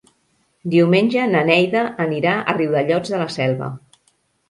Diumenge na Neida anirà a Riudellots de la Selva.